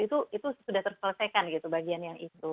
itu sudah terselesaikan gitu bagian yang itu